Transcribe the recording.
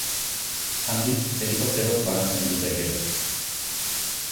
Handik helikopteroz banatzen dute gero.